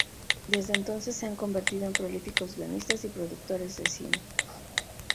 Desde entonces se han convertido en prolíficos guionistas y productores de cine.